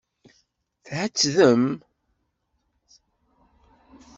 Tḥettdem?